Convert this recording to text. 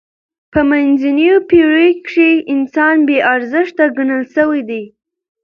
به منځنیو پېړیو کښي انسان بې ارزښته ګڼل سوی دئ.